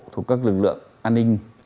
thuộc các lực lượng an ninh